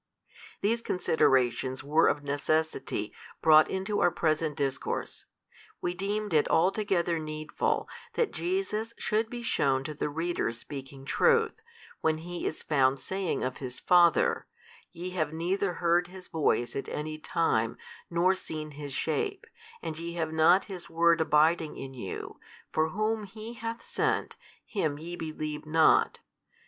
These considerations were of necessity brought into our present discourse: we deemed it altogether needful that Jesus should be shewn to the readers speaking truth, when He is found saying of His Father, Ye have neither heard His Voice at any time nor seen His shape, and ye have not His Word abiding in you, for Whom HE hath sent, Him yE believe not.